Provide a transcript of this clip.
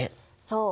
そう！